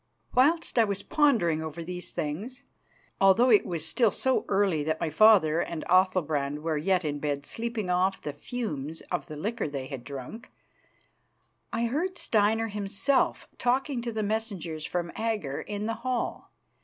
Whilst I was pondering over these things, although it was still so early that my father and Athalbrand were yet in bed sleeping off the fumes of the liquor they had drunk, I heard Steinar himself talking to the messengers from Agger in the hall.